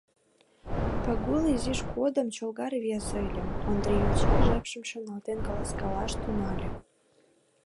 — Пагул изиж годым чолга рвезе ыле, — Ондрий йоча жапшым шарналтен каласкалаш тӱҥале.